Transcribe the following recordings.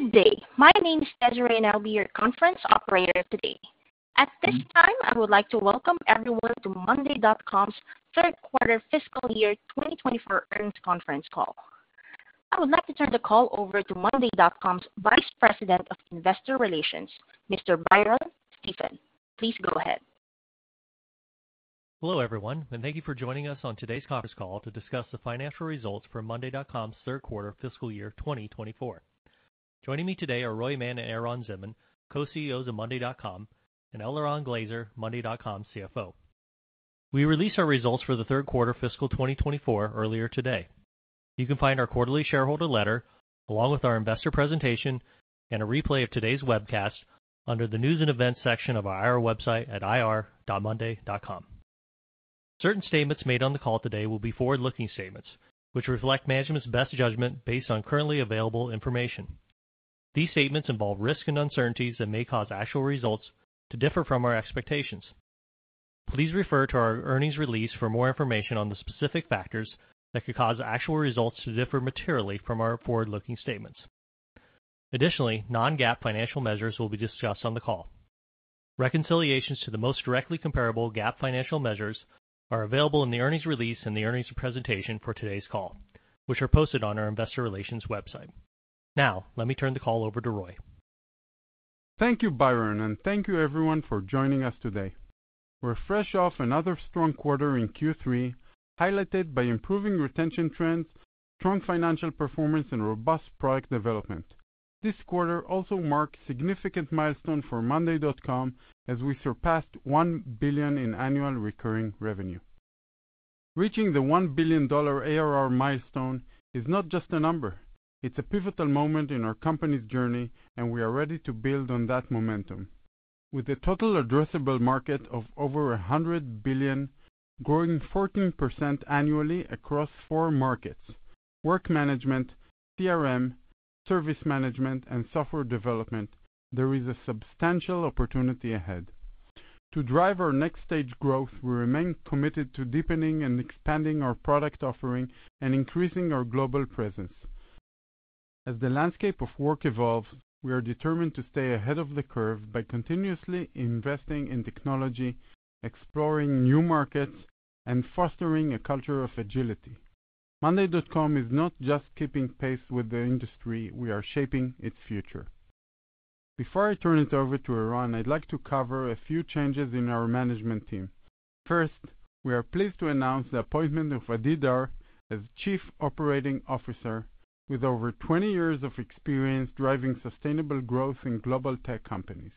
Good day. My name is Desiree and I'll be your conference operator today. At this time I would like to welcome everyone to monday.com's third quarter fiscal year 2024 earnings conference call. I would like to turn the call over to monday.com's Vice President of Investor Relations, Mr. Byron Stephen. Please go ahead. Hello everyone and thank you for joining us on today's conference call to discuss the financial results for monday.com's third quarter fiscal year 2024. Joining me today are Roy Mann and Eran Zinman, co-CEOs of monday.com and Eliran Glazer, monday.com CFO. We released our results for the third quarter fiscal 2024 earlier today. You can find our quarterly shareholder letter along with our investor presentation and a replay of today's webcast under the News and Events section of our IR website at ir.monday.com. Certain statements made on the call today will be forward-looking statements which reflect management's best judgment based on currently available information. These statements involve risks and uncertainties that may cause actual results to differ from our expectations. Please refer to our Earnings release for more information on the specific factors that could cause actual results to differ materially from our forward-looking statements. Additionally, non-GAAP financial measures will be discussed on the call. Reconciliations to the most directly comparable GAAP financial measures are available in the Earnings Release and the earnings presentation for today's call, which are posted on our Investor Relations website. Now let me turn the call over to Roy. Thank you, Byron, and thank you everyone for joining us today. We're fresh off another strong quarter in Q3 highlighted by improving retention trends, strong financial performance, and robust product development. This quarter also marked a significant milestone for monday.com, as we surpassed $1 billion in annual recurring revenue. Reaching the $1 billion ARR milestone is not just a number; it's a pivotal moment in our company's journey, and we are ready to build on that momentum. With a total addressable market of over $100 billion growing 14% annually across four markets, work management, CRM, service management and software development, there is a substantial opportunity ahead to drive our next stage growth. We remain committed to deepening and expanding our product offering and increasing our global presence as the landscape of work evolves. We are determined to stay ahead of the curve. By continuously investing in technology, exploring new markets and fostering a culture of agility, monday.com is not just keeping pace with the industry, we are shaping its future. Before I turn it over to Eran, I'd like to cover a few changes in our management team. First, we are pleased to announce the appointment of Adi Dar as Chief Operating Officer. With over 20 years of experience driving sustainable growth in global tech companies,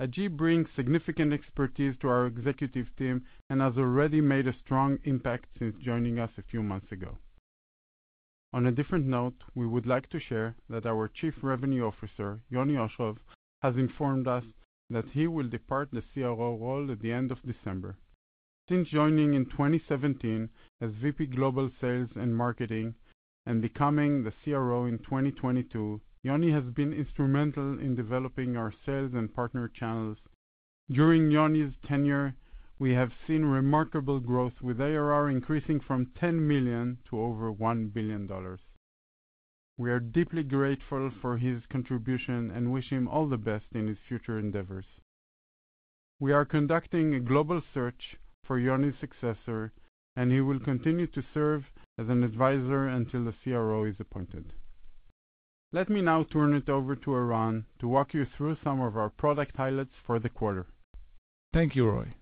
Adi Dar brings significant expertise to our executive team and has already made a strong impact since joining us a few months ago. On a different note, we would like to share that our Chief Revenue Officer Yoni Osherov has informed us that he will depart the CRO role at the end of December. Since joining in 2017 as VP Global Sales and Marketing and becoming the CRO in 2022, Yoni has been instrumental in developing our sales and partner channels. During Yoni's tenure, we have seen remarkable growth with ARR increasing from $10 million to over $1 billion. We are deeply grateful for his contribution and wish him all the best in his future endeavors. We are conducting a global search for Yoni's successor and he will continue to serve as an advisor until the CRO is appointed. Let me now turn it over to Eran to walk you through some of our product highlights for the quarter. Thank you, Roy.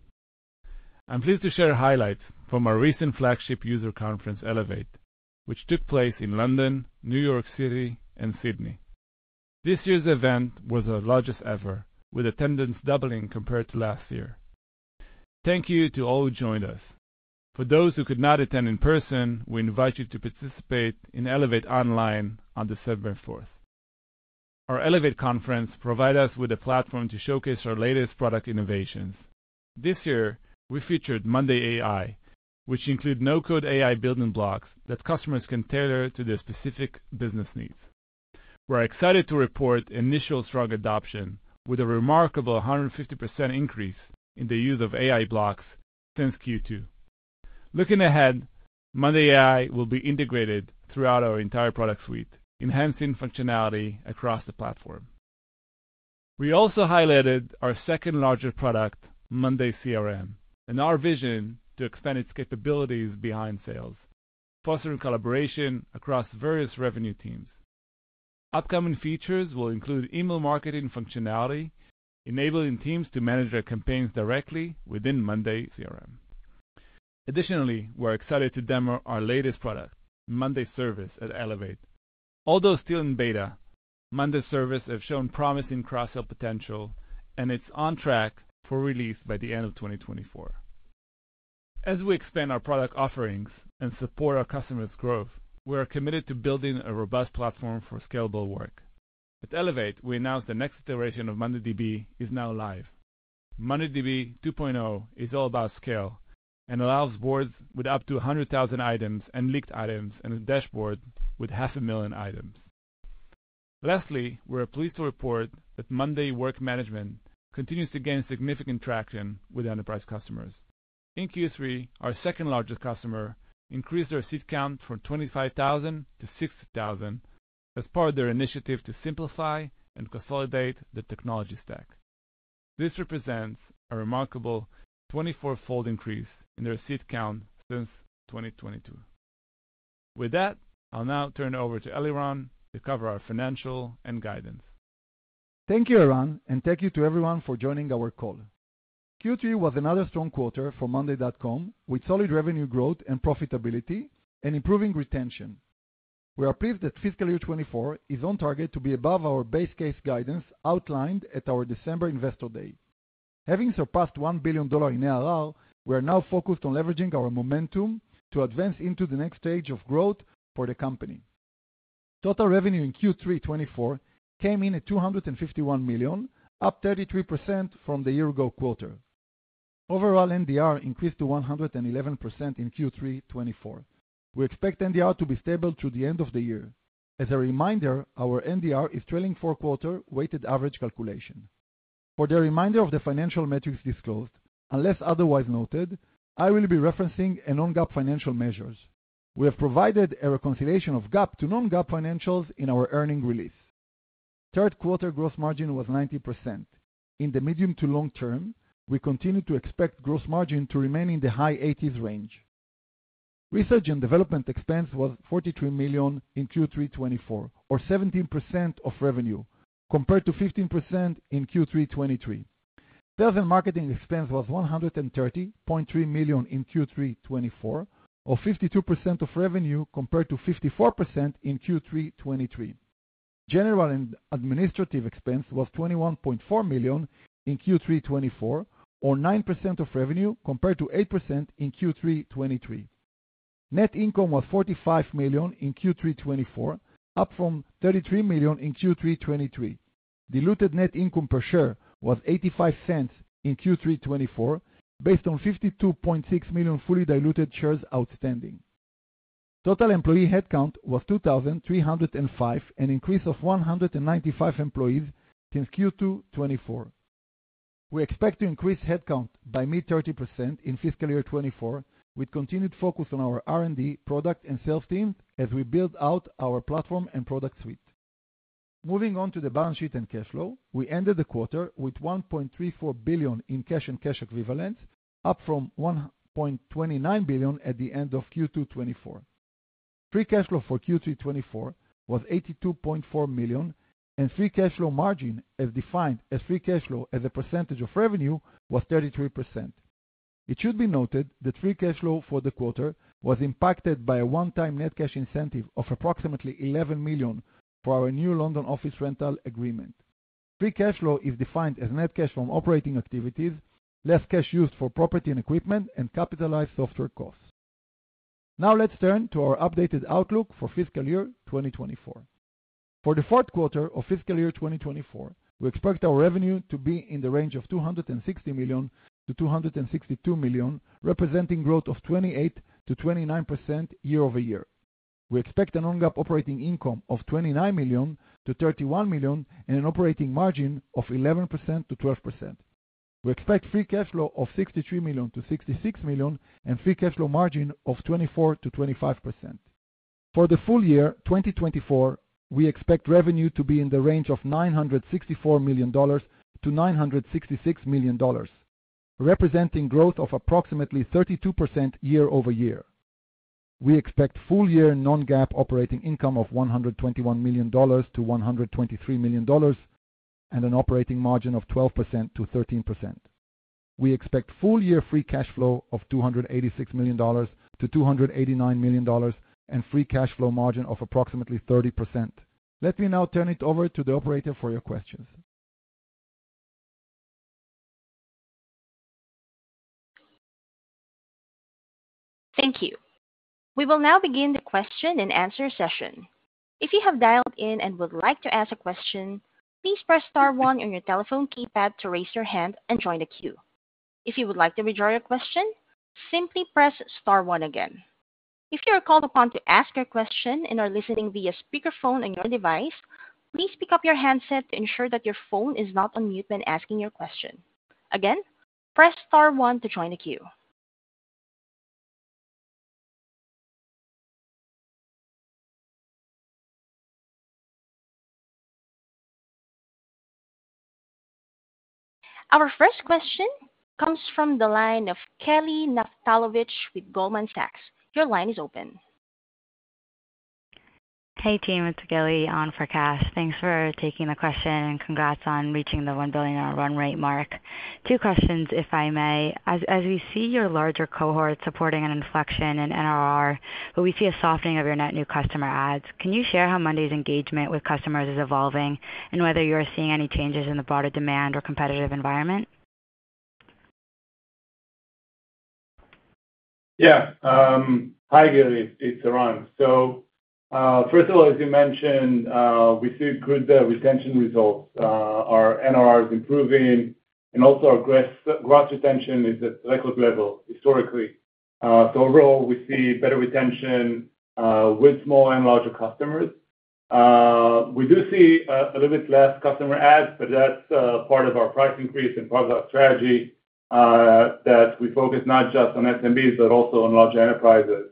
I'm pleased to share highlights from our recent flagship user conference Elevate, which took place in London, New York City, and Sydney. This year's event was our largest ever with attendance doubling compared to last year. Thank you to all who joined us. For those who could not attend in person, we invite you to participate in Elevate Online on December 4th. Our Elevate conference provided us with a platform to showcase our latest product innovations. This year we featured monday AI, which includes no-code AI building blocks that customers can tailor to their specific business needs. We're excited to report initial strong adoption with a remarkable 150% increase in the use of AI blocks since Q2. Looking ahead, monday AI will be integrated throughout our entire product suite, enhancing functionality across the platform. We also highlighted our second largest product, monday CRM, and our vision to expand its capabilities beyond sales, fostering collaboration across various revenue teams. Upcoming features will include email marketing functionality enabling teams to manage their campaigns directly within monday CRM. Additionally, we're excited to demo our latest product, monday Service, at Elevate. Although still in beta, monday Service has shown promising cross-sell potential and it's on track for release by the end of 2024. As we expand our product offerings and support our customers' growth, we are committed to building a robust platform for scalable work. At Elevate, we announced the next iteration of mondayDB is now live. mondayDB 2.0 is all about scale and allows boards with up to 100,000 items and linked items and a dashboard with 500,000 items. Lastly, we are pleased to report that monday Work Management continues to gain significant traction with enterprise customers in Q3. Our second largest customer increased their seat count from 25,000 to 60,000 as part of their initiative to simplify and consolidate the technology stack. This represents a remarkable 24-fold increase in their seat count since Q2 2022. With that, I'll now turn over to Eliran to cover our financials and guidance. Thank you, Eran, and thank you to everyone for joining our call. Q3 was another strong quarter for monday.com with solid revenue, growth and profitability and improving retention. We are pleased that fiscal year 2024 is on target to be above our base case guidance outlined at our December Investor Day. Having surpassed $1 billion in ARR, we are now focused on leveraging our momentum and to advance into the next stage of growth for the company. Total revenue in Q3 2024 came in at $251 million, up 33% from the year ago quarter. Overall, NDR increased to 111% in Q3 2024. We expect NDR to be stable through the end of the year. As a reminder, our NDR is trailing four-quarter weighted average calculation for the remainder of the financial metrics disclosed. Unless otherwise noted, I will be referencing a non-GAAP financial measures. We have provided a reconciliation of GAAP to non-GAAP financials in our earnings release. Third quarter gross margin was 90%. In the medium to long term, we continue to expect gross margin to remain in the high 80s range. Research and development expense was $43 million in Q3 2024 or 17% of revenue compared to 15% in Q3 2023. Sales and marketing expense was $130.3 million in Q3 2024 or 52% of revenue compared to 54% in Q3 2023. General and administrative expense was $21.4 million in Q3 2024 or 9% of revenue compared to 8% in Q3 2023. Net income was $45 million in Q3 2024, up from $33 million in Q3 2023. Diluted net income per share was $0.85 in Q3 2024 based on $52.6 million fully diluted shares outstanding. Total employee headcount was 2,305, an increase of 195 employees since Q2 2024. We expect to increase headcount by mid-30% in fiscal year 2024 with continued focus on our R&D product and sales team as we build out our platform and product suite. Moving on to the balance sheet and cash flow, we ended the quarter with $1.34 billion in cash and cash equivalents, up from $1.29 billion at the end of Q2 2024. Free cash flow for Q3 2024 was $82.4 million and free cash flow margin as defined as free cash flow as a percentage of revenue was 33%. It should be noted that free cash flow for the quarter was impacted by a one-time net cash incentive of approximately $11 million for our new London office rental agreement. Free cash flow is defined as net cash from operating activities, less cash used for property and equipment and capitalized software costs. Now let's turn to our updated outlook for fiscal year 2024. For the fourth quarter of fiscal year 2024, we expect our revenue to be in the range of $260 million-$262 million, representing growth of 28%-29% year over year. We expect a non-GAAP operating income of $29-$31 million and an operating margin of 11%-12%. We expect free cash flow of $63 million-$66 million and free cash flow margin of 24%-25%. For the full year 2024, we expect revenue to be in the range of $964 million-$966 million, representing growth of approximately 32% year over year. We expect full year non-GAAP operating income of $121 million-$123 million and an operating margin of 12%-13%. We expect full year free cash flow of $286 million-$289 million and free cash flow margin of approximately 30%. Let me now turn it over to the operator for your questions. Thank you. We will now begin the question and answer session. If you have dialed in and would like to ask a question, please press star one on your telephone keypad to raise your hand and join the queue. If you would like to withdraw your question, simply press star one again. If you are called upon to ask your question and are listening via speakerphone on your device, please pick up your handset to ensure that your phone is not on mute when asking your question. Again, press star one to join the queue. Our first question comes from the line of Gili Naftalovich with Goldman Sachs. Your line is open. Hey team, it's Gili on for Kash. Thanks for taking the question and congrats on reaching the $1 billion run rate. Mark, two questions. First, as we see your larger cohort supporting an inflection in NRR, but we see a softening of your net new customer adds. Can you share how monday's engagement with customers is evolving and whether you are seeing any changes in the broader demand or competitive environment? Yeah, hi Gili, it's Eran. So first of all, as you mentioned, we see good retention results. Our NRR is improving and also our gross retention is at record level historically. So overall we see better retention with small and larger customers. We do see a little bit less customer adds, but that's part of our price increase and part of our strategy that we focus not just on SMBs but also on large enterprises.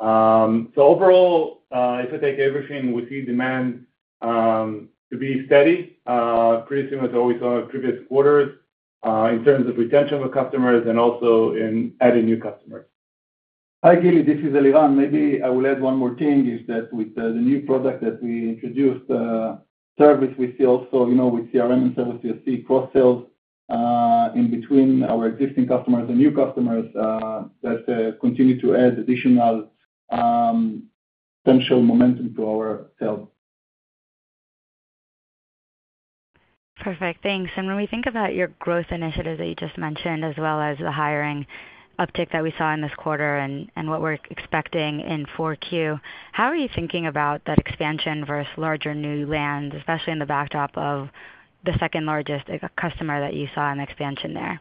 So overall, if I take everything, we see demand to be steady, pretty similar to what we saw in previous quarters in terms of retention with customers and also in adding new customers. Hi Gili, this is Eliran. Maybe I will add one more thing is that with the new product that we introduced, Service, we see also, you know, with CRM and Service you see cross sales in between our existing customers and new customers that continue to add additional potential momentum to our sales. Perfect, thanks. And when we think about your growth initiatives that you just mentioned, as well as the hiring uptick that we saw in this quarter and what we're expecting in 4Q, how are you thinking about that expansion versus larger new land, especially in the backdrop of the second largest customer that you saw in expansion there?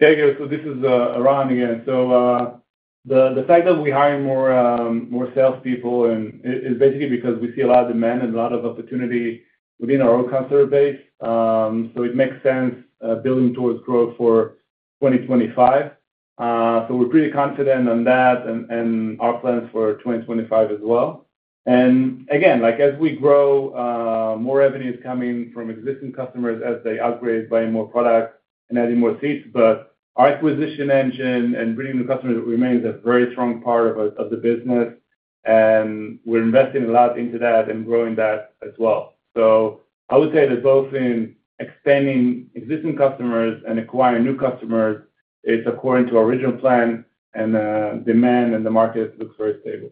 So this is Eran again. The fact that we hire more salespeople is basically because we see a lot of demand and a lot of opportunity within our own customer base. It makes sense building towards growth for 2025. We're pretty confident on that and our plans for 2025 as well. And again, like as we grow, more revenue is coming from existing customers as they upgrade, buying more products and adding more seats. But our acquisition engine and bringing new customers remains a very strong part of the business and we're investing a lot into that and growing that as well. I would say that both in extending existing customers and acquiring new customers, it's according to our original plan and demand and the market looks very stable.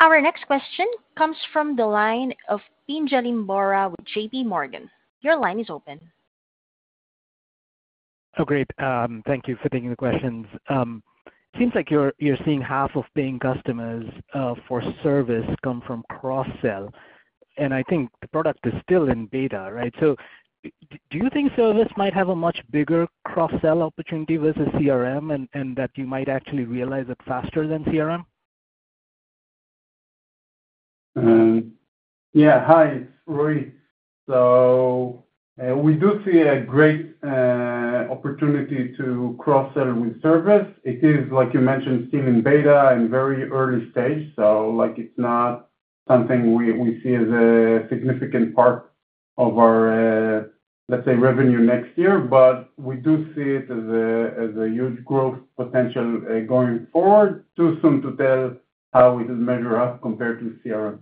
Our next question comes from the line of Pinjalim Bora with JPMorgan. Your line is open. Oh, great. Thank you for taking the questions. Seems like you're seeing half of paying customers for Service come from cross sell and I think the product is still in beta. Right. So do you think Service might have a much bigger cross sell opportunity versus CRM and that you might actually realize it faster than CRM? Yeah, hi, it's Roy. So we do see a great opportunity to cross sell with Service. It is, like you mentioned, still in beta and very early stage. So like it's not something we see as a significant part of our, let's say, revenue next year, but we do see it as a huge growth potential going forward. Too soon to tell how it measures up compared to CRM.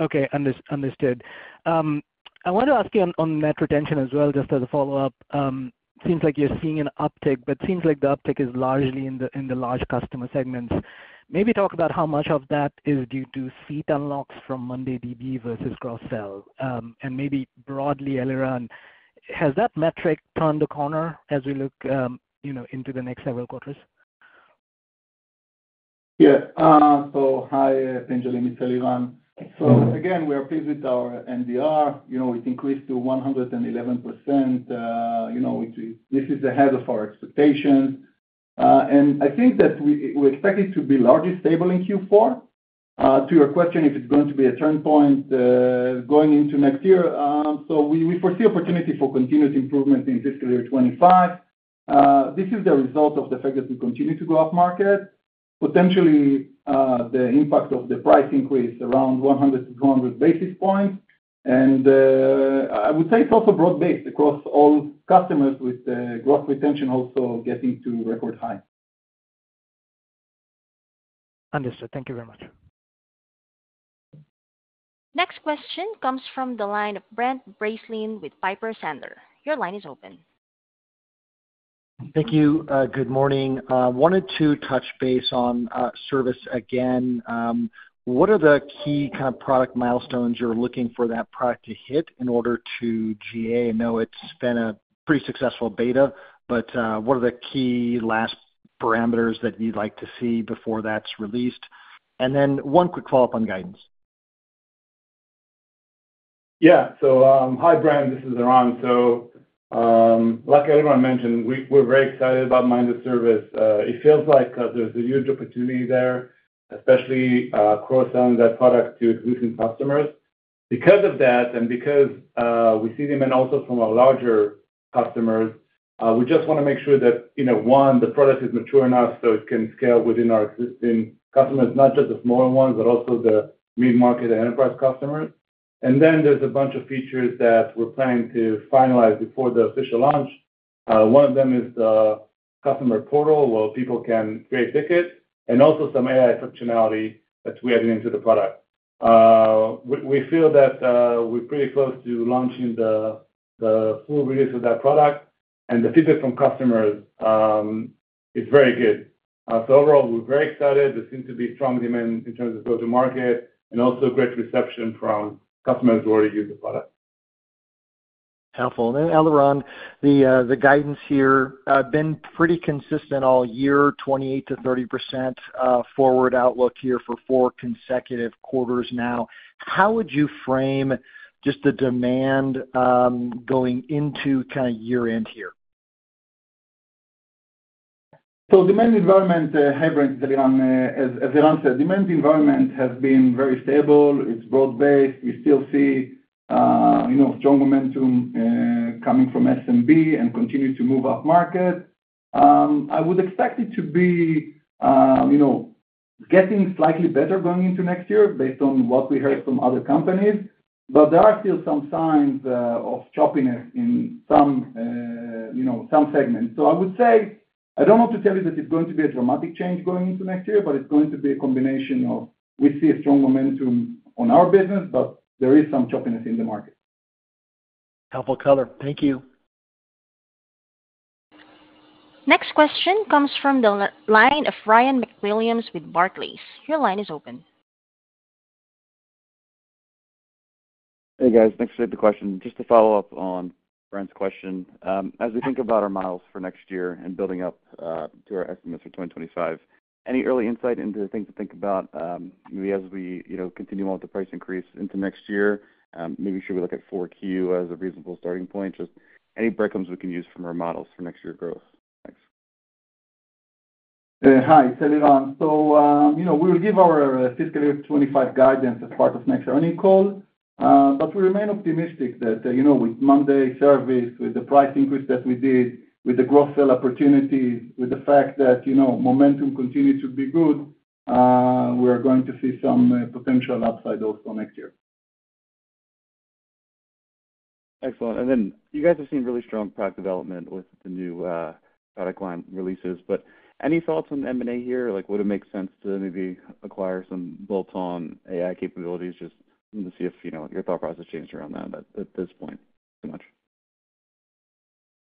Okay, understood. I want to ask you on net retention as well, just as a follow up. Seems like you're seeing an uptick, but seems like the uptick is largely in the large customer segments. Maybe talk about how much of that is due to seat unlocks from mondayDB versus cross sell and maybe broadly Eliran, has that metric turned the corner as we look into the next several quarters? Yeah, so hi Pinjalim, it's Eliran. So again we are pleased with our NDR. It increased to 111%. This is ahead of our expectations and I think that we expect it to be largely stable in Q4. To your question, if it's going to be a turn point going into next year. So we foresee opportunity for continuous improvement in fiscal year 25. This is the result of the fact that we continue to go up market potentially the impact of the price increase around 100-200 basis points. I would say it's also broad-based across all customers with the gross retention also getting to record high. Understood, thank you very much. Next question comes from the line of Brent Bracelin with Piper Sandler. Your line is open. Thank you. Good morning. Wanted to touch base on Service again. What are the key kind of product milestones you're looking for that product to hit in order to GA? I know it's been a pretty successful beta, but what are the key last parameters that you'd like to see before that's released and then one quick follow-up on guidance. Yeah, so hi Brent, this is Eran. So like everyone mentioned, we're very excited about monday Service. It feels like there's a huge opportunity there, especially cross-selling that product to customers. Because of that and because we see them and also from our larger customers, we just want to make sure that one the product is mature enough so it can scale within our existing customers. Not just the smaller ones but also the mid-market enterprise customers. And then there's a bunch of features that we're planning to finalize before the official launch. One of them is the customer portal where people can create tickets and also some AI functionality that we added into the product. We feel that we're pretty close to launching the full release of that product and the feedback from customers is very good. So overall we're very excited. There seems to be strong demand in terms of go to market and also great reception from customers who already use the product. Helpful. And then Eliran, the guidance here been pretty consistent all year. 28%-30% forward outlook here for four consecutive quarters. Now how would you frame just the demand going into kind of year end here? So demand environment. Hey Brent, as Eran said, demand environment has been very stable. It's broad based. We still see strong momentum coming from SMB and continue to move up market. I would expect it to be, you know, getting slightly better going into next year based on what we heard from other companies. But there are still some signs of choppiness in some, you know, some segments. So I would say I don't know to tell you that it's going to be a dramatic change going into next year but it's going to be a combination of we see a strong momentum on our business but there is some choppiness in the market. Helpful color. Thank you. Next question comes from the line of Ryan MacWilliams with Barclays. Your line is open. Hey guys, thanks for the question. Just to follow up on Brent's question. As we think about our models for next year and building up to our estimates for 2025, any early insight into things to think about as we continue on with the price increase into next year? Maybe should we look at 4Q as a reasonable starting point? Just any breadcrumbs we can use from our models for next year growth. Thanks. Hi, it's Eliran. So you know we will give our fiscal year 2025 guidance as part of next earnings call but we remain optimistic that you know with monday Service, with the price increase that we did with the cross-sell opportunities, with the fact that you know momentum continue to be good, we are going to see some potential upside also next year. Excellent. And then you guys have seen really strong product development with the new product line releases. But any thoughts on M&A here? Like, would it make sense to maybe acquire some bolt on AI capabilities just to see if your thought process changed around that at this point? Too much.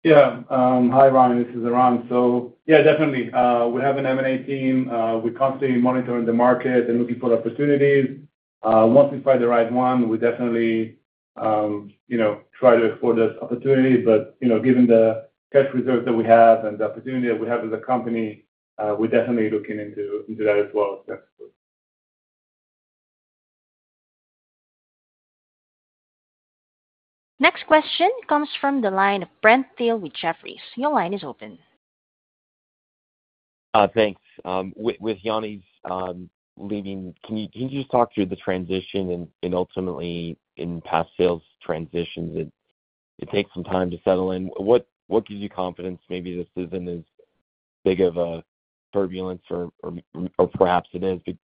Yeah. Hi Ryan, this is Eran. So yeah definitely we have an M&A team. We're constantly monitoring the market and looking for opportunities. Once we find the right one, we definitely try to afford this opportunity. But given the cash reserves that we have and the opportunity that we have as a company, we're definitely looking into that as well. Next question comes from the line of Brent Thill with Jefferies. Your line is open. Thanks. With Yoni's leaving, can you just talk through the transition and ultimately in past sales transitions, it takes some time to settle in. What, what gives you confidence? Maybe this isn't as big of a turbulence or perhaps it is, but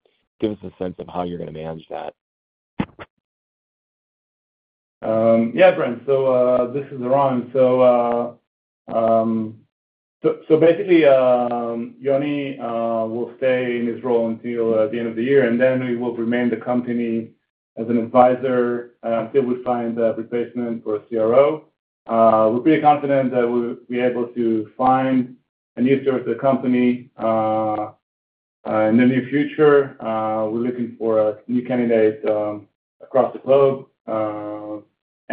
give us a sense of how you're going to manage that? Yeah, Brent. So this is Eran. So basically Yoni will stay in his role until the end of the year and then he will remain as an advisor until we find a replacement for a CRO. We're pretty confident that we'll be able to find a new successor for the company in the near future. We're looking for a new candidate across the globe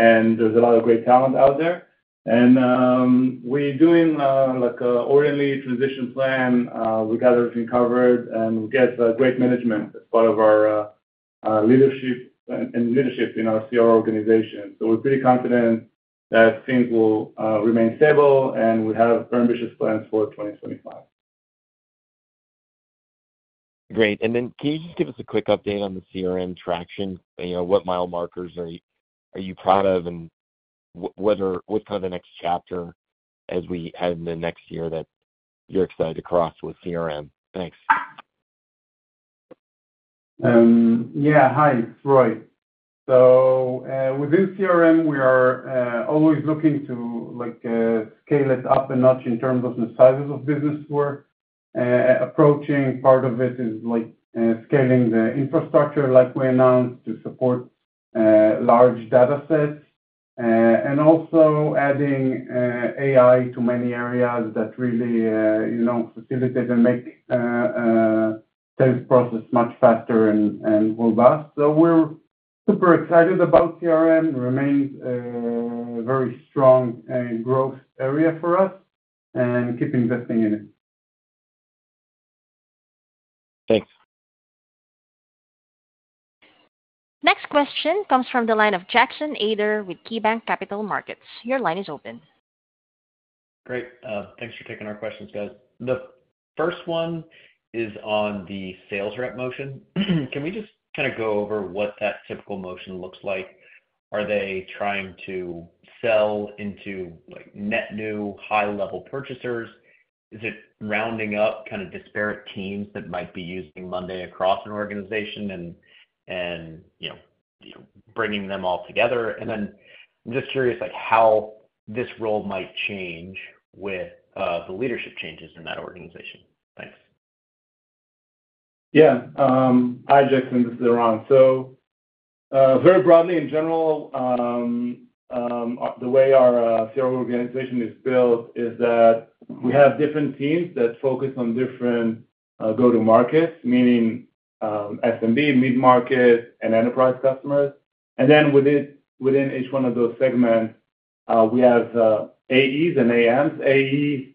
and there's a lot of great talent out there and we're doing like orderly transition plan. We got everything covered and we get great management as part of our leadership and leadership in our CRO organization. So we're pretty confident that things will remain stable and we have ambitious plans for 2025. Great. And then can you just give us a quick update on the CRM traction, you know, what milestones are you proud of and what's kind of the next chapter as we head into next year that you're excited to cross with CRM. Thanks. Yeah. Hi Roy. So within CRM, we are always looking to scale it up a notch in terms of the sizes of business we're approaching. Part of it is like scaling the infrastructure like we announced to support large data sets and also adding AI to many areas that really, you know, facilitate and make sales process much faster and robust. So, we're super excited about CRM remains a very strong growth area for us and keep investing in it. Thanks. Next question comes from the line of Jackson Ader with KeyBanc Capital Markets. Your line is open. Great, thanks for taking our questions guys. The first one is on the sales rep motion. Can we just kind of go over what that typical motion looks like? Are they trying to sell into like net new high level purchasers? Is it rounding up kind of disparate teams that might be using monday across an organization and you know, bringing them all together and then I'm just curious like how this role might change with the leadership changes in that organization. Thanks. Yeah. Hi Jackson, this is Eran. So very broadly in general, the way our CRO organization is built is that we have different teams that focus on different go to markets, meaning SMB, mid market and enterprise customers. And then within each one of those segments we have AEs and AMs. AEs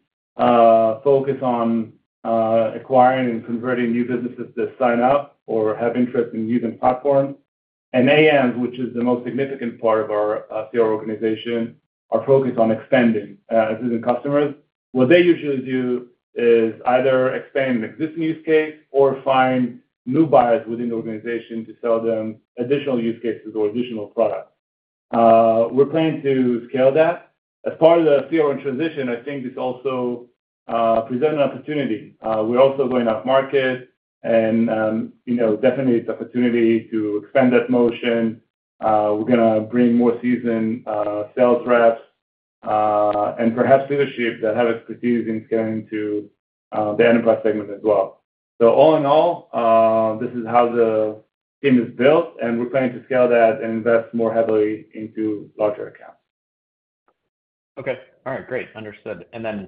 focus on acquiring and converting new businesses that sign up or have interest in using platforms, and AMs, which are the most significant part of our CRO organization, are focused on expanding ACV in customers. What they usually do is either expand an existing use case or find new buyers within the organization to sell them additional use cases or additional products. We're planning to scale that as part of the CRM transition. I think this also presents an opportunity. We're also going off-market and definitely it's opportunity to expand that motion. We're going to bring more seasoned sales reps and perhaps leadership that have expertise in scaling to the enterprise segment as well. So all in all, this is how the team is built and we're planning to scale that and invest more heavily into larger accounts. Okay, all right, great. Understood. And then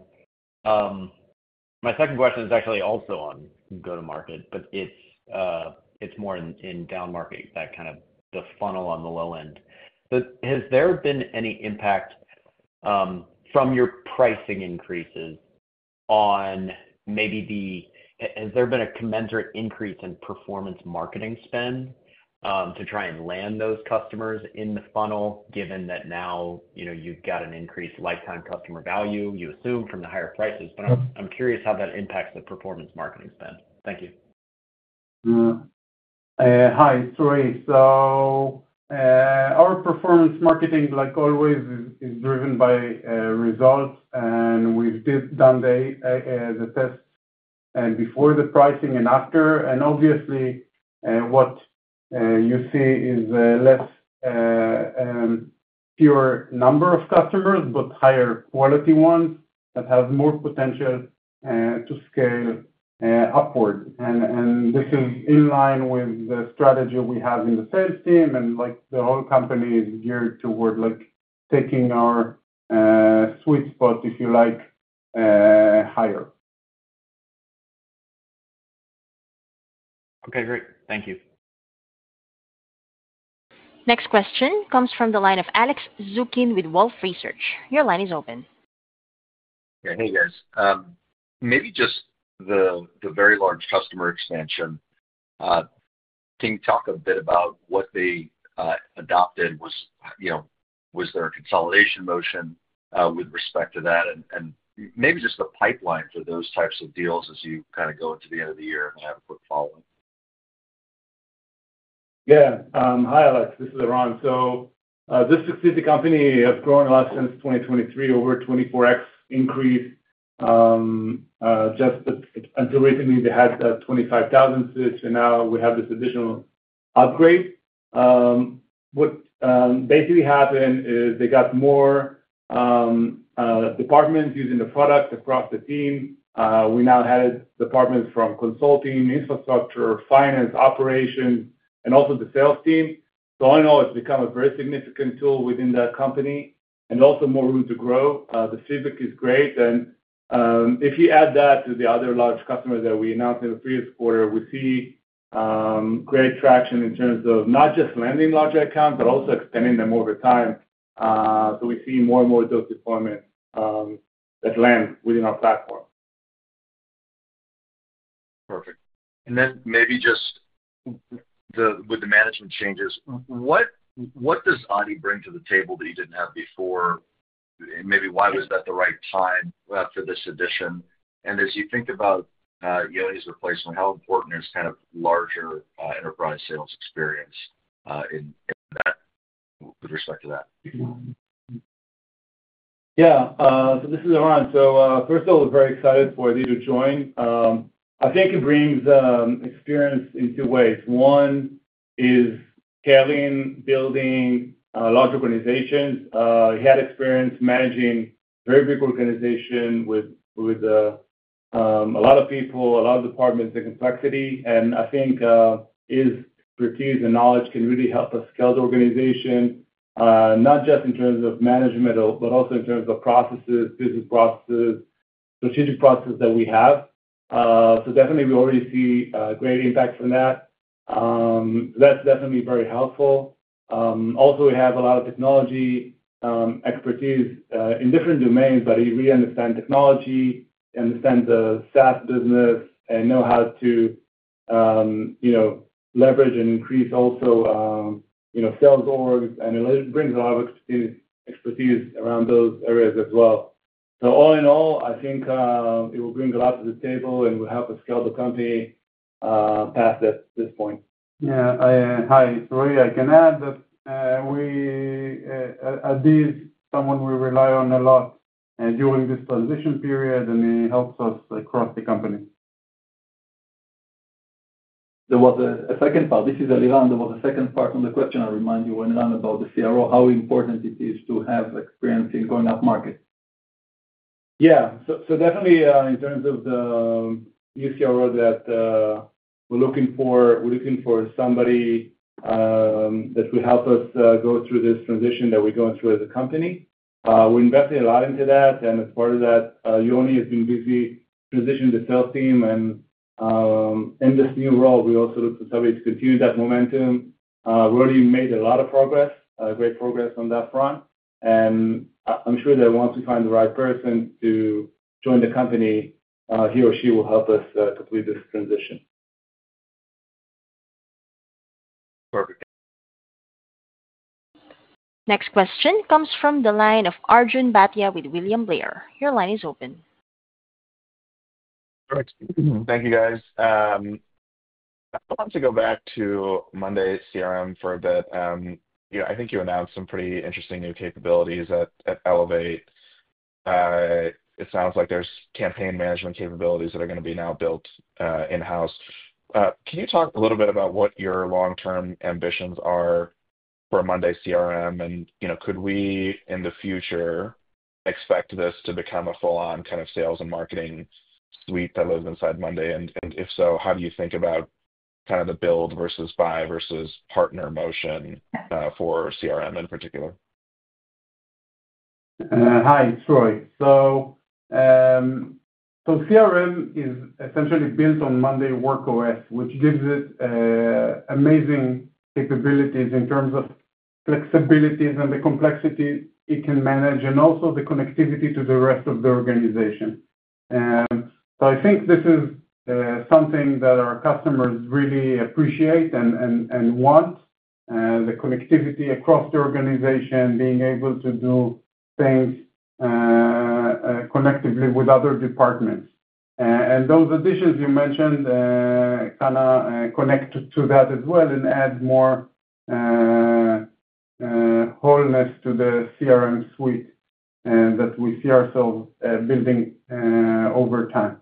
my second question is actually also on go to market, but it's more in inbound marketing, that kind of the funnel on the low end. Has there been any impact from your pricing increases? Has there been a commensurate increase in performance marketing spend to try and land those customers in the funnel, given that now you know you've got an increased lifetime customer value you assume from the higher prices. But I'm curious how that impacts the performance marketing spend. Thank you. Hi it's Roy. So our performance marketing like always is driven by results. And we've done the tests and before the pricing and after and obviously what you see is less pure number of customers but higher quality ones that has more potential to scale upward. And this is in line with the strategy we have in the sales team. And like the whole company is geared toward like taking our sweet spot, if you like, higher. Okay, great, thank you. Next question comes from the line of Alex Zukin with Wolfe Research. Your line is open. Hey guys, maybe just the very large customer expansion. Can you talk a bit about what they adopted was, you know, was there a consolidation motion with respect to that and maybe just the pipeline for those types of deals as you kind of go into the end of the year and have a quick following. Yeah. Hi Alex, this is Eran. So this succeeds. The company has grown a lot since 2023 over 24x increase. Just until recently they had 25,000 seats and now we have this additional upgrade. What basically happened is they got more departments using the product across the team. We now had departments from consulting, infrastructure, finance, operations and also the sales team. So all in all it's become a very significant tool within that company and also more room to grow. The feedback is great. If you add that to the other large customers that we announced in the previous quarter, we see great traction in terms of not just landing larger accounts but also extending them over time. We see more and more those deployments that land within our platform. Perfect. And then maybe just with the management changes, what does Adi bring to the table that you didn't have before? Maybe why was that the right time for this addition? And as you think about Yoni's replacement, how important is kind of larger enterprise sales experience with respect to that? Yeah. So this is Eran. So first of all very excited for Adi to join. I think he brings experience in two ways. One is Adi building large organizations. He had experience managing very big organization with a lot of people, a lot of departments and complexity. And I think his expertise and knowledge can really help us scale the organization not just in terms of management but also in terms of processes, business processes, strategic processes that we have. So definitely we already see great impact from that. That's definitely very helpful. Also we have a lot of technology expertise in different domains. But you really understand technology, understand the SaaS business and know how to leverage and increase also, you know, sales org and brings a lot of expertise around those areas as well. So all in all I think it will bring a lot to the table and will help us scale the company past this point. Yeah. Hi, Roy. I can add that he's someone we rely on a lot during this transition period and he helps us across the company. There was a second part. This is Eliran. There was a second part on the question. I'll remind you, Eran, about the CRO, how important it is to have experience in going up market. Yeah. Definitely in terms of the new CRO that we're looking for, we're looking for somebody that will help us go through this transition that we're going through as a company. We invested a lot into that and as part of that Yoni has been busy transitioning the sales team and in this new role we also look to continue that momentum. Really made a lot of progress, great progress on that front. I'm sure that once we find the right person to join the company, he or she will help us complete this transition. Next question comes from the line of Arjun Bhatia with William Blair. Your line is open. Thank you guys. I want to go back to monday CRM for a bit. I think you announced some pretty interesting new capabilities at Elevate. It sounds like there's campaign management capabilities that are going to be now built in house. Can you talk a little bit about what your long term ambitions are for monday CRM and could we in the future expect this to become a full on kind of sales and marketing suite that lives inside monday? And if so, how do you think about kind of the build versus buy versus partner motion for CRM in particular? Hi, it's Roy. So CRM is essentially built on monday Work OS, which gives it amazing capabilities in terms of flexibilities and the complexity it can manage and also the connectivity to the rest of the organization. So I think this is something that our customers really appreciate and want, the connectivity across the organization, being able to do things connectively with other departments, and those additions you mentioned kind of connected to that as well and add more wholeness to the CRM suite that we see ourselves building over time.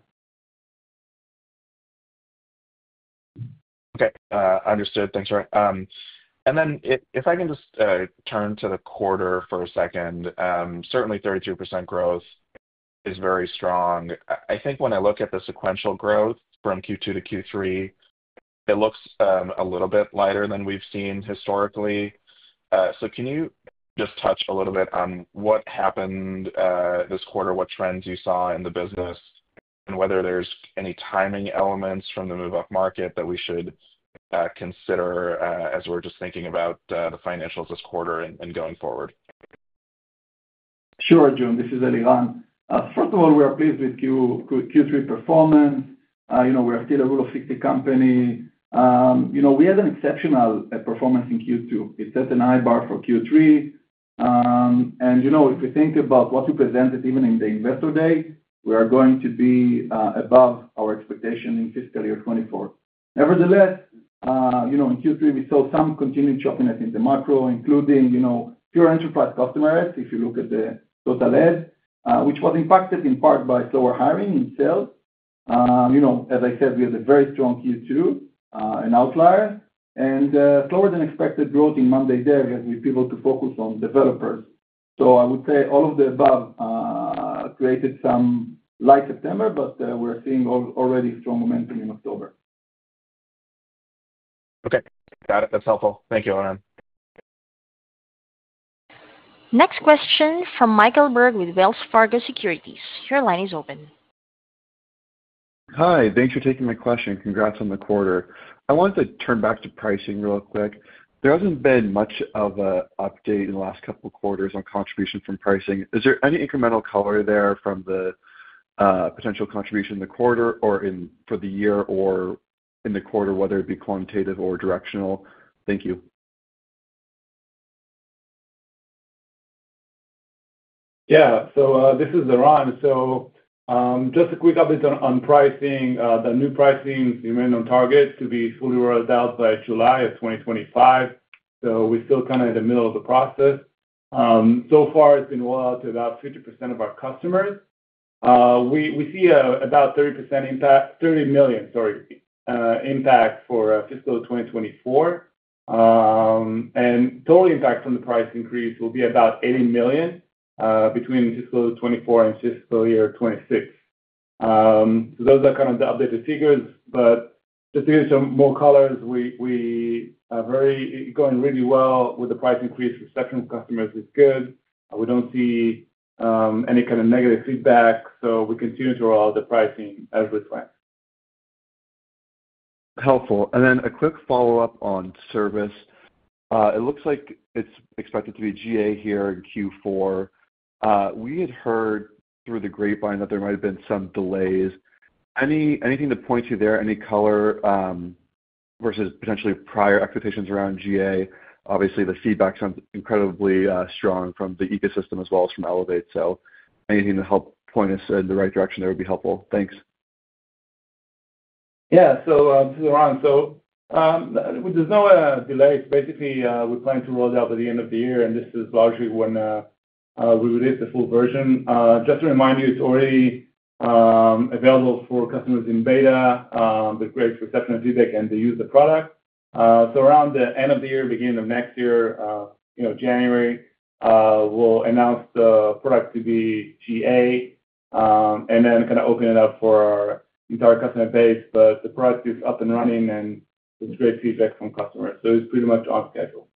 Okay, understood. Thanks Roy. And then if I can just turn to the quarter for a second. Certainly 32% growth is very strong. I think when I look at the sequential growth from Q2 to Q3, it looks a little bit lighter than we've seen historically. So can you just touch a little bit on what happened this quarter, what trends you saw in the business, and whether there's any timing elements from the move up market that we should consider as we're just thinking about the financials this quarter and going forward? Sure. Jun, this is Eliran. First of all, we are pleased with Q3 performance. You know, we're still a Rule of 60 company. You know, we had an exceptional performance in Q2. It set a high bar for Q3 and you know, if we think about what we presented even in the investor day, we are going to be above our expectation in fiscal year 2024. Nevertheless, you know, in Q3 we saw some continued choppiness in the macro, including, you know, fewer enterprise customers. If you look at the total add, which was impacted in part by slower hiring in sales, you know, as I said, we had a very strong Q2, an outlier and slower than expected growth in non-dev areas with people too focused on developers. So I would say all of the above created some light September, but we're seeing already strong momentum in October. Okay, got it. That's helpful. Thank you, Eran. Next question from Michael Berg with Wells Fargo Securities. Your line is open. Hi, thanks for taking my question. Congrats on the quarter. I want to turn back to pricing real quick. There hasn't been much of an update in the last couple quarters on contribution from pricing. Is there any incremental color there from the potential contribution in the quarter or for the year or in the quarter? Whether it be quantitative or directional. Thank you. Yeah. So this is Eran. So just a quick update on pricing. The new pricing remain on target to be fully rolled out by July of 2025. So we're still kind of in the middle of the process. So far it's been rolled out to about 50% of our customers. We see about 30% impact. $30 million, sorry, impact for fiscal year 2024 and total impact from the price increase will be about $80 million between fiscal 2024 and fiscal year 2026. So those are kind of the updated figures. But just to give some more color. We are doing really well with the price increase. Reception from customers is good. We don't see any kind of negative feedback. So we continue to roll out the pricing as we plan. Helpful and then a quick follow up on Service. It looks like it's expected to be GA here in Q4. We had heard through the grapevine that there might have been some delays. Anything that points to that, any color versus potentially prior expectations around GA. Obviously the feedback sounds incredibly strong from the ecosystem as well as from Elevate. So anything to help point us in the right direction, that would be helpful. Thanks. Yeah. So this is Eran. So there's no delays. Basically we plan to roll it out by the end of the year and this is largely when we release the full version. Just to remind you, it's already available for customers in beta with great reception of, do they can, they use the product. So around the end of the year, beginning of next year, you know, January, we'll announce the product to be GA and then kind of open it up for our entire customer base. But the product is up and running and it's great feedback from customers. So it's pretty much on schedule.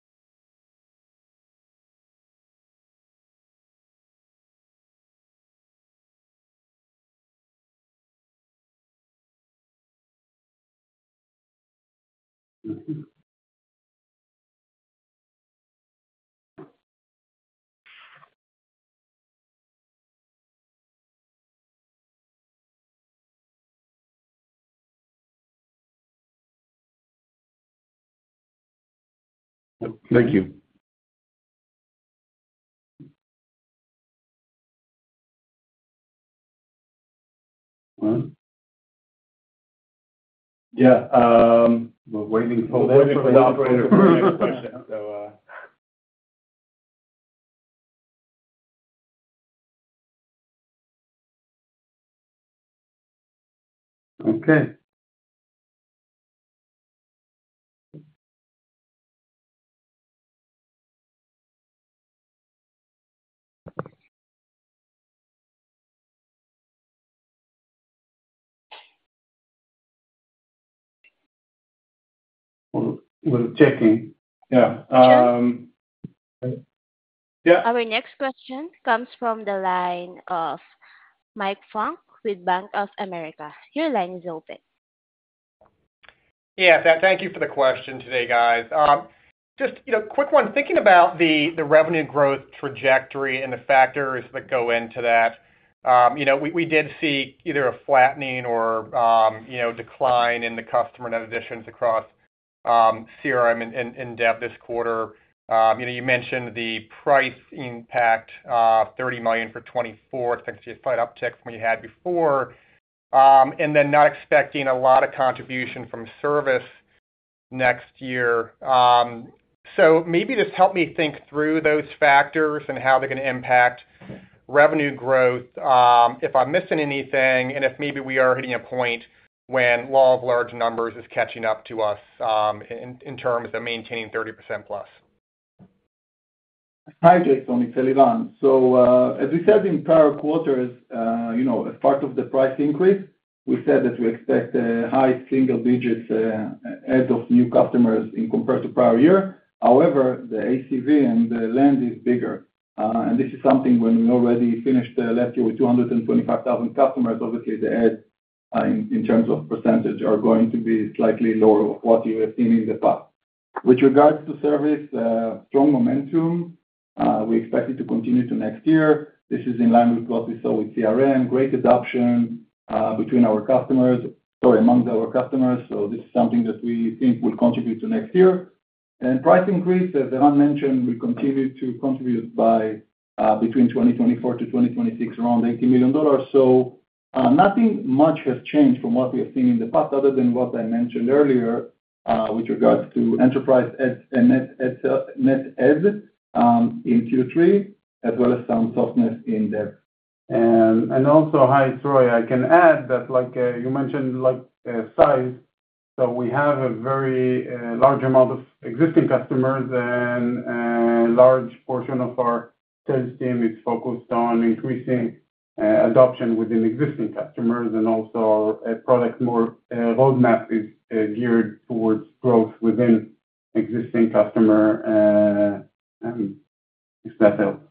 Thank you. Yeah, we're waiting for the operator. Okay. Our next question comes from the line of Mike Funk with Bank of America. Your line is open. Yeah, thank you for the question today guys. Just quick one thinking about the revenue growth trajectory and the factors that go into that, we did see either a flattening or decline in the customer net additions across CRM and dev this quarter. You mentioned the price impact. $30 million for 2024. Slight uptick from what you had before and then not expecting a lot of contribution from Service next year. So maybe just help me think through those factors and how they're going to impact revenue growth. If I'm missing anything and if maybe we are hitting a point when law of large numbers is catching up to us in terms of maintaining 30% plus. Hi Jason, it's Eliran. As we said in prior quarters, as part of the price increase we said that we expect a high single digit add of new customers compared to prior year. However, the ACV and the land is bigger, and this is something when we already finished last year with 225,000 customers. Obviously the add in terms of percentage are going to be slightly lower than what you have seen in the past with regards to Service. Strong momentum. We expect it to continue to next year. This is in line with what we saw with CRM. Great adoption between our customers. Sorry, among our customers. This is something that we think will contribute to next year, and price increase as Eran mentioned will continue to contribute by between 2024 to 2026 around $80 million. Nothing much has changed from what we have seen in the past other than what I mentioned earlier with regards to enterprise net add in Q3 as well as some softness in the and also. Hi it's Roy, I can add that like you mentioned like size. So we have a very large amount of existing customers and large portion of our sales team is focused on increasing adoption within existing customers and also product more roadmap is geared towards growth within existing customer if that helps.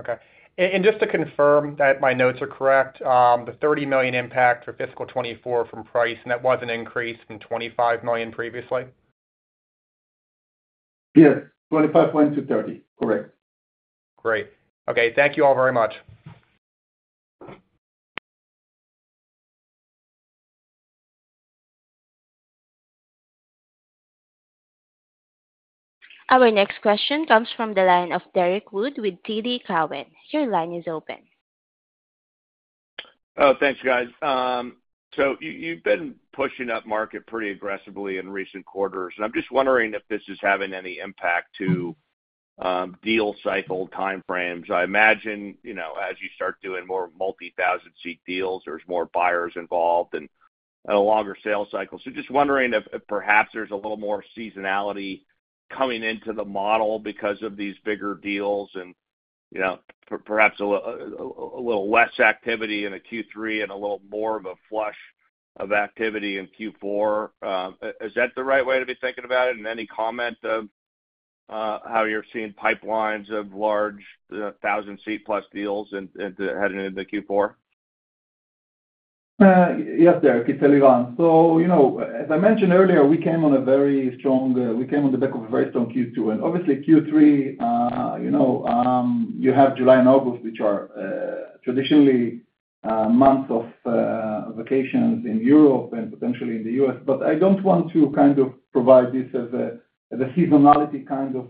Okay. And just to confirm that my notes are correct, the $30 million impact for fiscal year 2024 from price and that was an increase from $25 million previously. Yes, $25 million went to $30 million correct. Great. Okay, thank you all very much. Our next question comes from the line of Derrick Wood with TD Cowen. Your line is open. Thanks guys. So you've been pushing up market pretty aggressively in recent quarters and I'm just wondering if this is having any impact to deal cycle timeframes. I imagine, you know as you start doing more multi thousand seat deals there's more buyers involved and longer sales cycle. So just wondering if perhaps there's a little more seasonality coming into the model because of these bigger deals and perhaps a little less activity in a Q3 and a little more of a flush of activity in Q4. Is that the right way to be thinking about it? And any comment on how you're seeing pipelines of large thousand seat plus deals heading into Q4? Yes, thank you, it's Eliran, so you know as I mentioned earlier we came on the back of a very strong Q2 and obviously Q3. You know you have July and August which are traditionally months of vacations in Europe and potentially in the U.S. But I don't want to kind of provide this as a seasonality kind of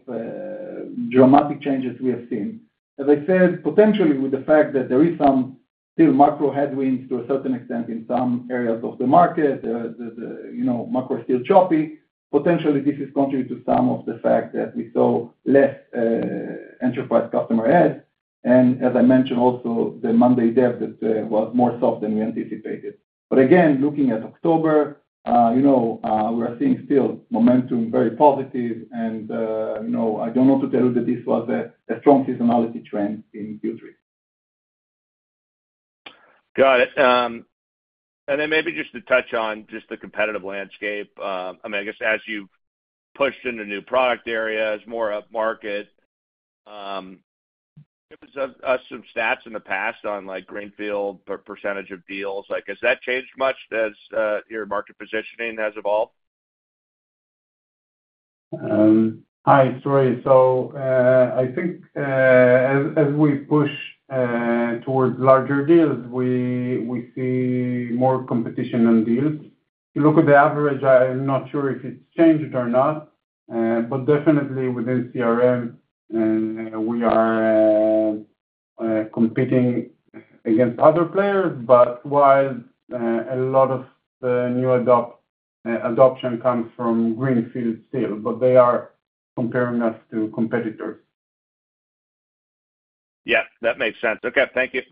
dramatic changes we have seen as I said potentially with the fact that there is some still macro headwinds to a certain extent in some areas of the market. Macro still choppy. Potentially this contributes to some of the fact that we saw less enterprise customer adds. And as I mentioned also the monday dev that was softer than we anticipated. But again looking at October we are seeing still momentum very positive and I don't know how to tell you that this was a strong seasonality trend in Q3. Got it. And then maybe just to touch on just the competitive landscape. I mean, I guess as you've pushed into new product areas more upmarket, as some stats in the past on like Greenfield percentage of deals like has that changed much as your market positioning has evolved? Hi. So I think as we push towards larger deals we see more competition and deals you look at the average. I'm not sure if it's changed or not, but definitely within CRM we are competing against other players. But while a lot of the new adoption comes from Greenfield still but they are comparing us to competitors. Yeah, that makes sense. Okay, thank you.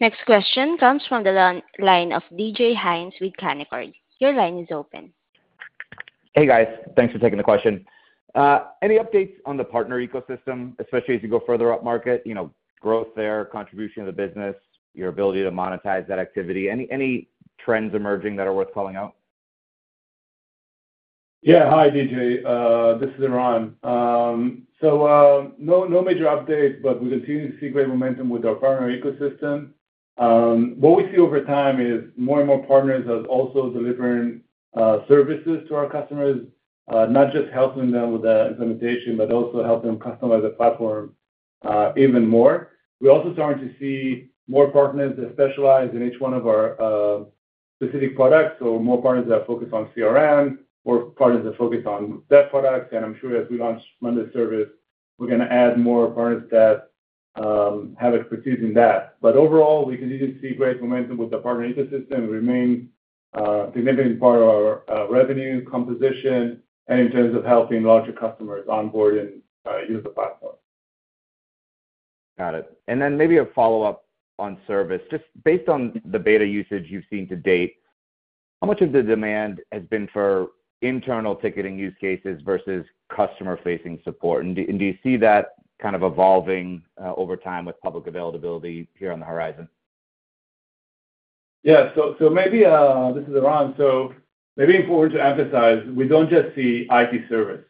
Next question comes from the line of D.J. Hynes with Canaccord Genuity. Your line is open. Hey guys, thanks for taking the question. Any updates on the partner ecosystem especially as you go further up market, you know, growth there contribution of the business, your ability to monetize that activity. Any, any trends emerging that are worth calling out? Yeah, hi D.J., this is Eran. So no, no major updates but we continue to see great momentum with our partner ecosystem. What we see over time is more and more partners are also delivering services to our customers. Not just helping them with the implementation, but also help them customize the platform even more. We're also starting to see more partners that specialize in each one of our specific products or more partners that focus on CRM or partners that focus on those products. And I'm sure as we launch monday Service we're going to add more partners that have expertise in that. But overall, we continue to see great momentum with the partner ecosystem. It remains a significant part of our revenue composition and, in terms of helping larger customers onboard and use the platform. Got it. And then maybe a follow-up on Service, just based on the beta usage you've seen to date, how much of the demand has been for internal ticketing use cases versus customer-facing support. And do you see that kind of evolving over time with public availability here on the horizon? Yeah, so maybe this is Eran. So maybe important to emphasize we don't just see IT service.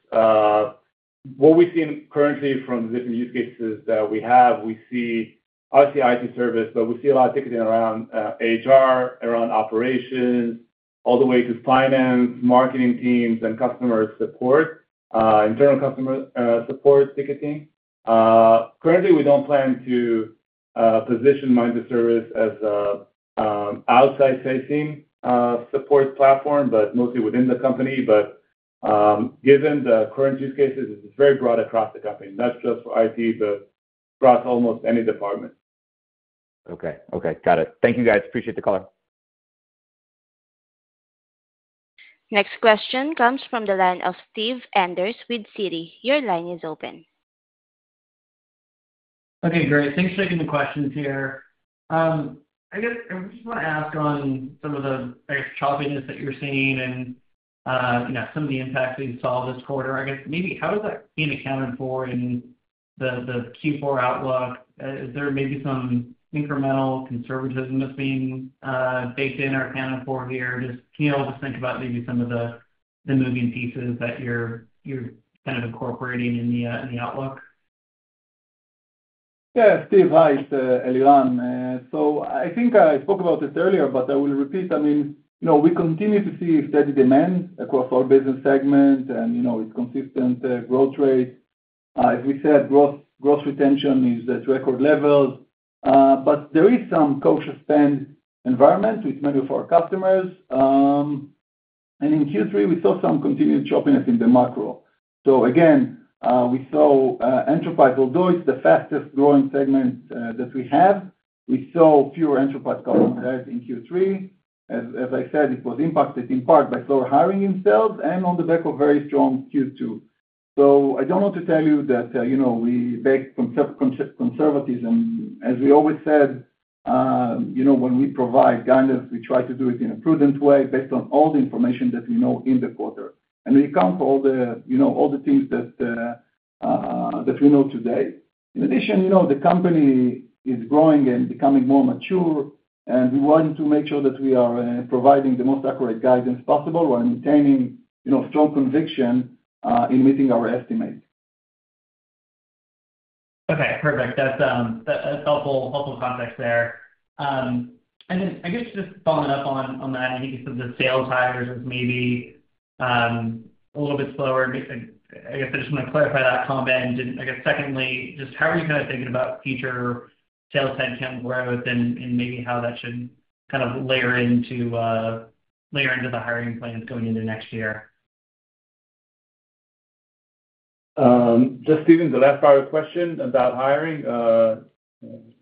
What we've seen currently from different use cases that we have. We see obviously IT service, but we see a lot of ticketing around HR, around operations, all the way to finance, marketing teams and customer support, internal customer support ticketing. Currently we don't plan to position monday Service as outside facing support platform, but mostly within the company. But given the current use cases, it's very broad across the company, not just for it, but across almost any department. Okay. Okay, got it. Thank you guys. Appreciate the color. Next question comes from the line of Steve Enders with Citi. Your line is open. Okay, great. Thanks for taking the questions here. I guess I just want to ask. On some of the choppiness that you're seeing and you know, some of the impacts you saw this quarter, I guess maybe how is that being accounted for in the Q4 outlook? Is there maybe some incremental conservatism that's being baked in or accounted for here? Just, can you all just think about maybe some of the moving pieces that you're kind of incorporating in the outlook? Yeah, Steve, hi, it's Eliran. So I think I spoke about this earlier, but I will repeat. I mean, you know, we continue to see steady demand across our business segment and you know, it's consistent growth rate. As we said, gross retention is at record levels. But there is some cautious spend environment with many of our customers. And in Q3 we saw some continued choppiness in the macro. So again we saw enterprise. Although it's the fastest growing segment that we have, we saw fewer enterprise customers in Q3. As I said, it was impacted in part by slower hiring in sales and on the back of very strong Q2. So I don't want to tell you that, you know, we bake conservatism as we always said. You know, when we provide guidance, we try to do it in a prudent way based on all the information that we know in the quarter and we count all the, you know, all the things that we know today. In addition, you know, the company is growing and becoming more mature and we want to make sure that we are providing the most accurate guidance possible while maintaining, you know, strong conviction in meeting our estimates. Okay, perfect. That's helpful context there. And then I guess just following up on that, I think you said the sales hires is maybe a little bit slower. I guess I just want to clarify that comment and I guess secondly, just how are you kind of thinking about future sales head count growth and maybe how that should kind of layer into the hiring plans going into next year? Just. Steven, the last part of the question about hiring.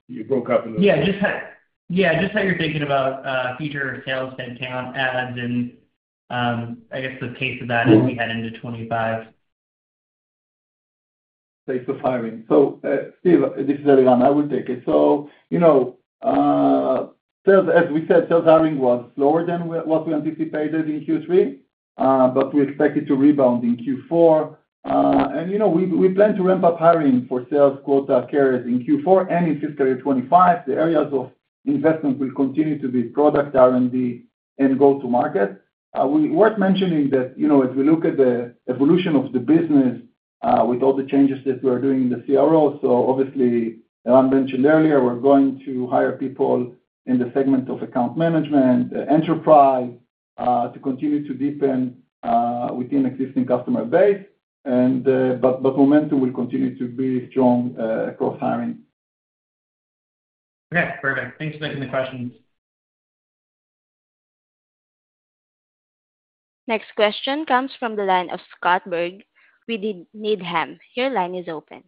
You broke up? Yeah, yeah. Just how you're thinking about future sales headcount adds and I guess the pace of that as we head into 25. Thanks for firing. So Steve, this is Eliran. I will take it. So you know, as we said, sales hiring was slower than what we anticipated in Q3, but we expect it to rebound in Q4 and you know, we plan to ramp up hiring for sales quota carriers in Q4 and in fiscal year 2025. The areas of investment will continue to be product, R&D and go-to-market. Worth mentioning that if we look at the evolution of the business with all the changes that we are doing in the CRO. So, obviously I mentioned earlier we're going to hire people in the segment of account management enterprise to continue to deepen within existing customer base, but momentum will continue to be strong across hiring. Okay, perfect. Thanks for taking the questions. Next question comes from the line of Scott Berg with Needham. Your line is open.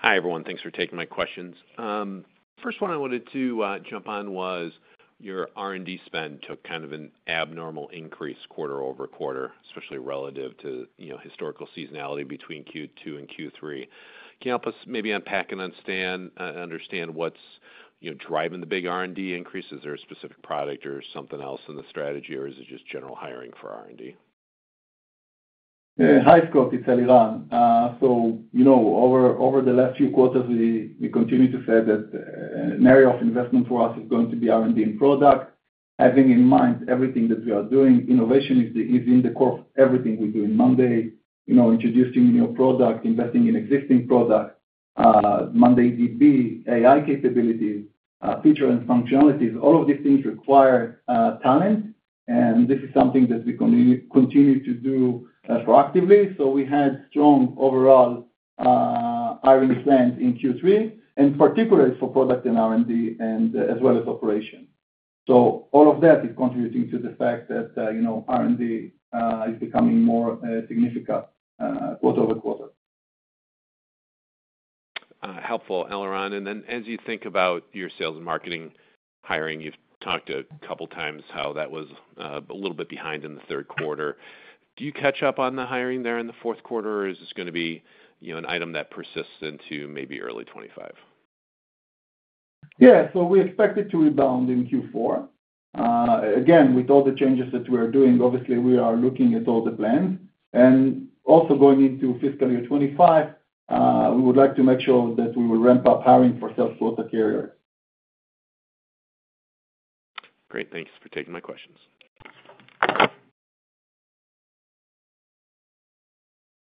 Hi everyone, thanks for taking my questions. First one I wanted to jump on was your R&D spend took kind of an abnormal increase quarter-over-quarter, especially relative to historical seasonality between Q2 and Q3. Can you help us maybe unpack and understand what's driving the big R&D increase? Is there a specific product or something else in the strategy or is it just general hiring for R&D? Hi Scott, it's Eliran. So you know, over the last few quarters we continue to say that an area of investment for us is going to be R&D product. Having in mind everything that we are doing innovation is in the core of everything we do in monday. You know, introducing new product, investing in existing product, mondayDB, AI capabilities, feature and functionalities. All of these things require talent and this is something that we continue to do proactively. So we had strong overall R&D plans in Q3 and particularly for product and R&D and as well as operations. So all of that is contributing to the fact that, you know, R&D is becoming more significant quarter-over-quarter. Helpful, Eliran, and then as you think about your sales and marketing hiring, you've talked a couple times how that was a little bit behind in the third quarter. Do you catch up on the hiring there in the fourth quarter or is this going to be an item that persists into maybe early 2025? Yeah, so we expect it to rebound in Q4 again with all the changes that we are doing. Obviously we are looking at all the plans and also going into fiscal year 2025 we would like to make sure that we will ramp up hiring for sales quota carriers. Great. Thanks for taking my questions.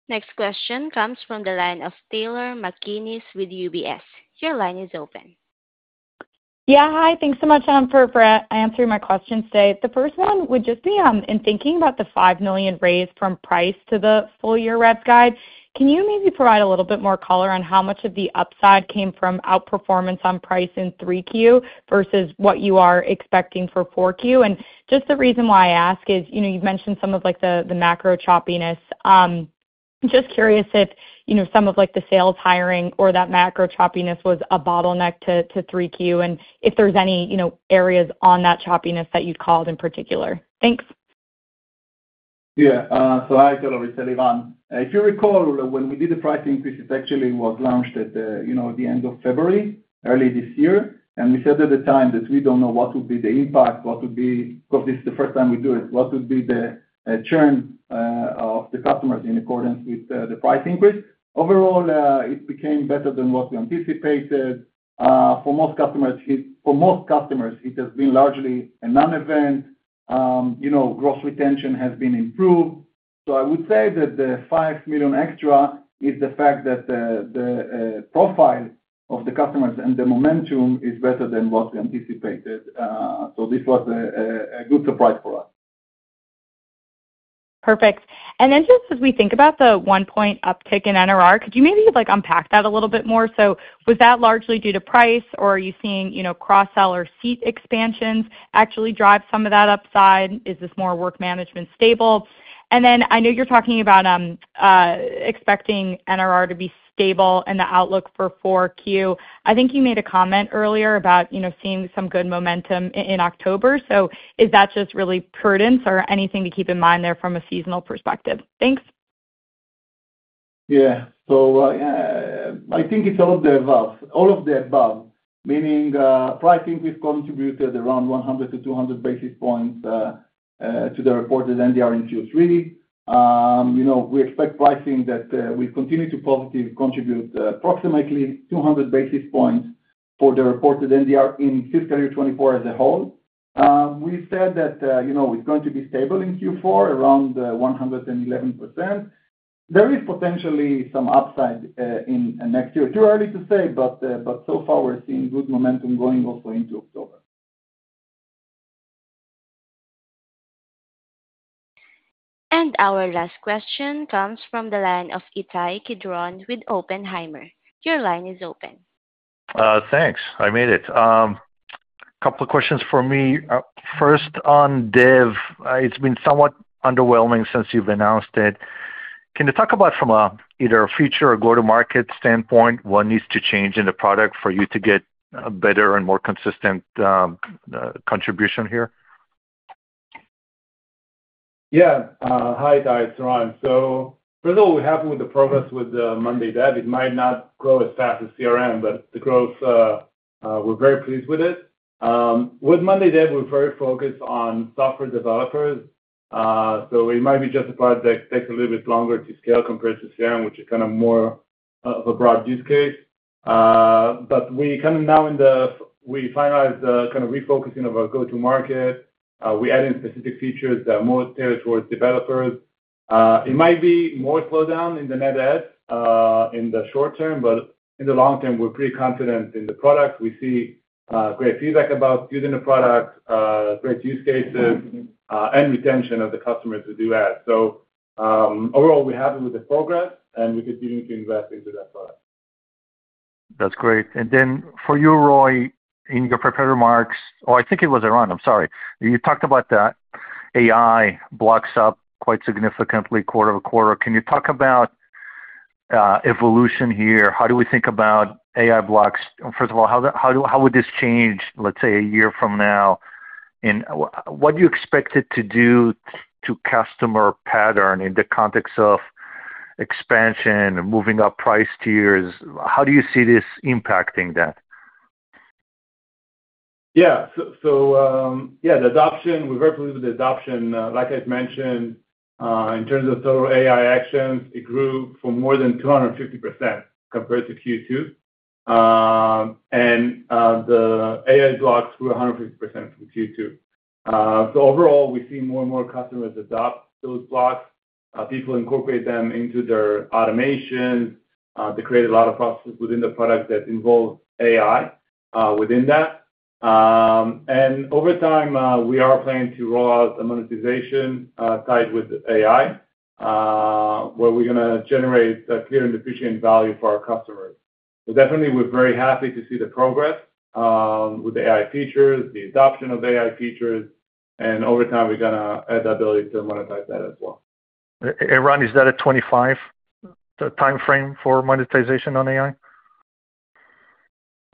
Next question comes from the line of Taylor McGinnis with UBS. Your line is open. Yeah. Hi, thanks so much for answering my question today. The first one would just be in thinking about the $5 million raised from pricing to the year revs guide, can you maybe provide a little bit more color on how much of the upside came from outperformance on pricing in 3Q versus what you are expecting for 4Q? And just the reason why I ask is, you know you've mentioned some of like the macro choppiness. Just curious if some of like the sales hiring or that macro choppiness was a bottleneck to 3Q and if there's any areas on that choppiness that you'd call out in particular. Thanks. Yeah, so hi Taylor it's Eliran, if you recall when we did the price increase it actually was launched at the end of February early this year and we said at the time that we don't know what would be the impact. What would be because this is the first time we do it, what would be the churn of the customers in accordance with the price increase. Overall it became better than what we anticipated for most customers. For most customers it has been largely a non-event. Gross retention has been improved. So I would say that the $5 million extra is the fact that the profile of the customers and the momentum is better than what we anticipated. So this was a good surprise for us. Perfect. And then just as we think about the one-point uptick in NDR, could you maybe like unpack that a little bit more? So was that largely due to price or are you seeing cross-sell seat expansions actually drive some of that upside? Is this more work management stable? And then I know you're talking about expecting NDR to be stable and the outlook for 4Q. I think you made a comment earlier about seeing some good momentum in October. So is that just really prudence or anything to keep in mind there from a seasonal perspective? Thanks. Yeah, so I think it's all of the above. All of the above meaning pricing. We've contributed around 100-200 basis points to the reported NDR in Q3. You know we expect pricing that we continue to positively contribute approximately 200 basis points for the reported NDR in fiscal year 2024 as a whole. We said that you know it's going to be stable in Q4 around 111%. There is potentially some upside in next year. Too early to say but so far we're seeing good momentum going also into October. Our last question comes from the line of Ittai Kidron with Oppenheimer. Your line is open. Thanks, I made it. A couple of questions for me. First on dev, it's been somewhat underwhelming since you've announced it. Can you talk about from a either a feature or go to market standpoint, what needs to change in the product for you to get a better and more consistent contribution here? Yeah, hi, it's Eran. So first of all we're happy with the progress with monday dev. It might not grow as fast as CRM but the growth we're very pleased with it with monday dev, we're very focused on software developers so it might be justified that it takes a little bit longer to scale compared to CRM which is kind of more of a broad use case. But we kind of now in the we finalize the kind of refocusing of our go to market, we add in specific features that are more tailored towards developers. It might be more of a slowdown in the net adds in the short term, but in the long term we're pretty confident in the product. We see great feedback about using the product, great use cases and retention of the customers today. So overall we're happy with the progress and we continue to invest in that product. That's great. And then for you, Roy, in your prepared remarks. Oh, I think it was Eran. I'm sorry, you talked about that. AI blocks up quite significantly quarter to quarter. Can you talk about evolution here? How do we think about AI blocks? First of all, how would this change, let's say a year from now? And what do you expect it to do to customer patterns in the context of expansion, moving up price tiers? How do you see this impacting that? Yeah, so yeah, the adoption, like I mentioned, in terms of total AI actions, it grew more than 250% compared to Q2 and the AI blocks grew 150% from Q2. So overall we see more and more customers adopt those blocks. People incorporate them into their automations. They create a lot of processes within the product that involve AI within that. And over time we are planning to roll out a monetization tied with AI where we're going to generate clear and efficient value for our customers. So definitely we're very happy to see the progress with the AI features, the adoption of AI features and over time we're going to add the ability to monetize that as well. Eran, is that a 2025 time frame for monetization on AI?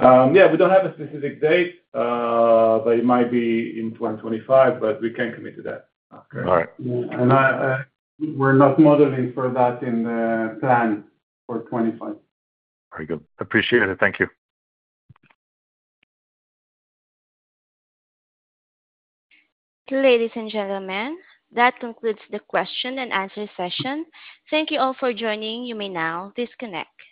Yeah, we don't have a specific date but it might be in 2025, but we can commit to that. All right. We're not modeling for that in the plan for 2025. Very good. Appreciate it. Thank you. Ladies and gentlemen. That concludes the question and answer session. Thank you all for joining. You may now disconnect.